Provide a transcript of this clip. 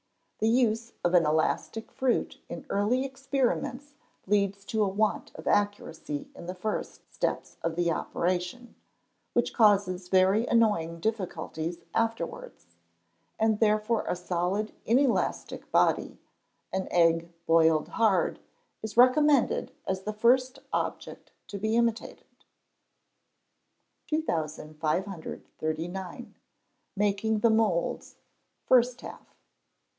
The use of an elastic fruit in early experiments leads to a want of accuracy in the first, steps of the operation, which causes very annoying difficulties afterwards; and therefore a solid, inelastic body an egg boiled hard is recommended as the first object to be imitated. 2539. Making the Moulds First Half.